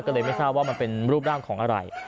ก็เลยไม่ทราบว่ามันเป็นรูปร่างของอะไร